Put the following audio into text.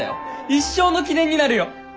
一生の記念になるよ！